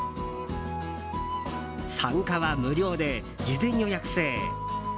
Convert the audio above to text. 参加は無料で事前予約制。